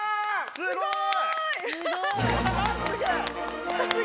すごい！